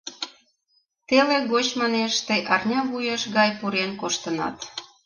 Теле гоч, манеш, тый арня вуеш гай пурен коштынат.